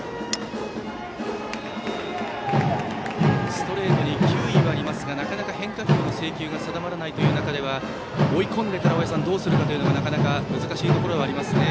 ストレートに球威はありますがなかなか変化球の制球が定まらないという中では追い込んでからどうするかというのがなかなか難しいところではありますね。